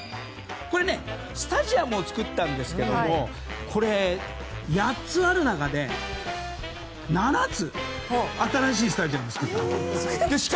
スタジアムを造ったんですけども８つある中で７つを新しいスタジアムを造ったんです。